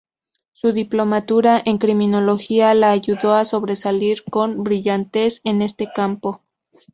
Su diplomatura en criminología la ayudó a sobresalir con brillantez en este campo.